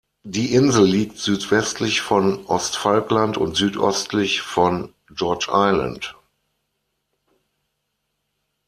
Die Insel liegt südwestlich von Ostfalkland und südöstlich von George Island.